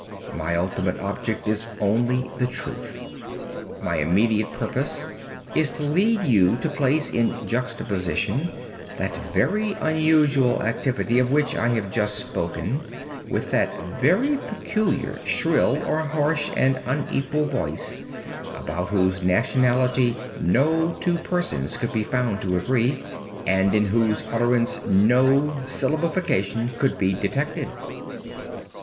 My ultimate object is only the truth. My immediate purpose is to lead you to place in juxtaposition, that very unusual activity of which I have just spoken with that very peculiar shrill (or harsh) and unequal voice, about whose nationality no two persons could be found to agree, and in whose utterance no syllabification could be detected."